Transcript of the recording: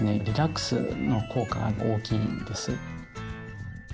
リラックスの効果が大きいです。